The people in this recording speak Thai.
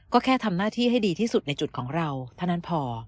ก็แค่ทำหน้าที่ให้ดีที่สุดในจุดของเราเท่านั้นพอ